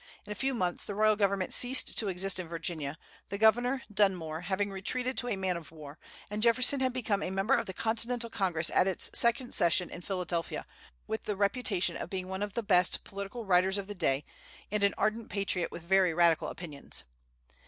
In a few months the royal government ceased to exist in Virginia, the governor, Dunmore, having retreated to a man of war, and Jefferson had become a member of the Continental Congress at its second session in Philadelphia, with the reputation of being one of the best political writers of the day, and an ardent patriot with very radical opinions.